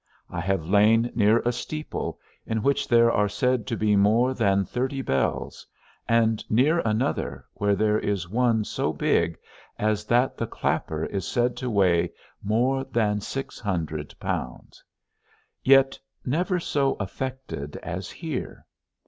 I have lain near a steeple in which there are said to be more than thirty bells, and near another, where there is one so big, as that the clapper is said to weigh more than six hundred pounds, yet never so affected as here.